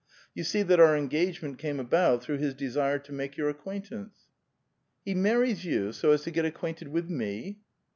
You see that our engagement olmo about through his desire to make your acquaintance." " He marries you so as to get acquainted with me